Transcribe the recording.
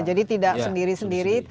jadi tidak sendiri sendiri